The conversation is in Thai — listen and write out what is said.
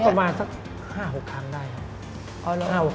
ประมาณสัก๕๖ครั้งได้ครับ